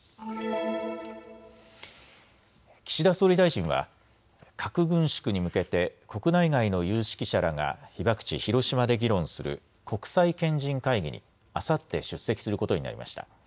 岸田総理大臣は核軍縮に向けて国内外の有識者らが被爆地・広島で議論する国際賢人会議にあさって出席することになりました。